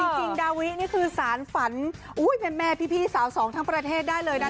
จริงดาวินี่คือสารฝันแม่พี่สาวสองทั้งประเทศได้เลยนะ